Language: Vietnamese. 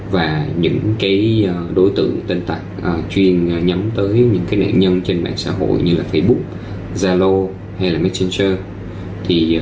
và những đối tượng tên tặc chuyên nhắm tới những nạn nhân trên mạng xã hội như facebook zalo hay metchenger